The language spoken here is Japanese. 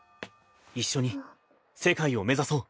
一緒に世界を目指そう。